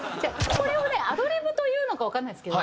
これをねアドリブと言うのかわかんないですけど。